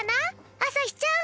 あさひちゃん！